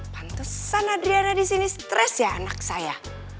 pantesan adriana di sini stres ya anak saya